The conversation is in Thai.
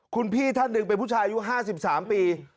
คุณพี่ท่านหนึ่งเป็นผู้ชายอายุ๕๓ปี